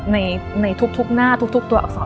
ในทุกหน้าทุกตัวอักษร